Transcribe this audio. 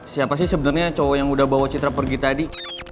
siapa sih sebenarnya cowok yang udah bawa citra pergi tadi